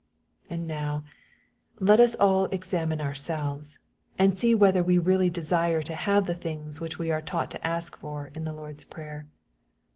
And now let us all examine ourselves, and see whether we really desire to have the things which we are taught to ask for in the Lord's Prayer.